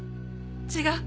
違う。